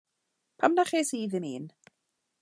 Pam na ches i ddim un?